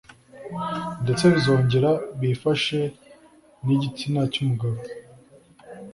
ndetse bizongera bifashe n'igitsina cy'umugabo